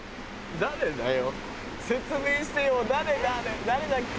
誰だよ？